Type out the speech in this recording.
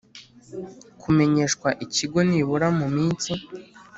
kumenyeshwa Ikigo nibura mu minsi